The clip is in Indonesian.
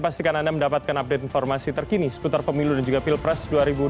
pastikan anda mendapatkan update informasi terkini seputar pemilu dan juga pilpres dua ribu dua puluh